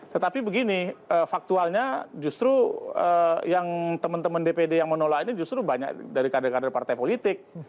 tetapi begini faktualnya justru yang teman teman dpd yang menolak ini justru banyak dari kader kader partai politik